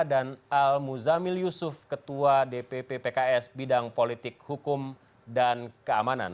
dan al muzamil yusuf ketua dpp pks bidang politik hukum dan keamanan